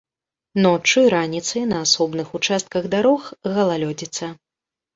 Ноччу і раніцай на асобных участках дарог галалёдзіца.